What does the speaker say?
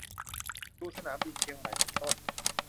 ดูสนามบินเชียงใหม่เป็นต้น